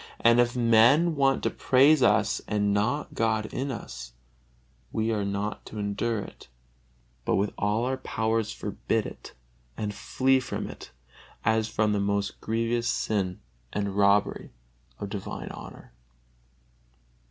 And if men want to praise us and not God in us, we are not to endure it, but with all our powers forbid it and flee from it as from the most grievous sin and robbery of divine honor.